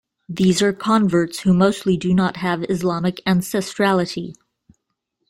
These are converts who mostly do not have Islamic ancestrality.